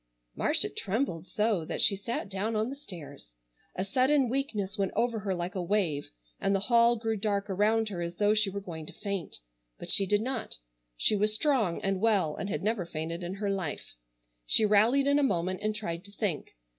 Marcia trembled so that she sat down on the stairs. A sudden weakness went over her like a wave, and the hall grew dark around her as though she were going to faint. But she did not. She was strong and well and had never fainted in her life. She rallied in a moment and tried to think.